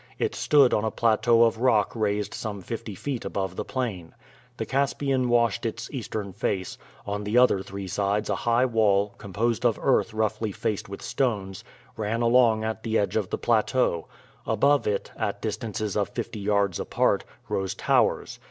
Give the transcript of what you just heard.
It stood on a plateau of rock raised some fifty feet above the plain. The Caspian washed its eastern face; on the other three sides a high wall, composed of earth roughly faced with stones, ran along at the edge of the plateau; above it, at distances of fifty yards apart, rose towers.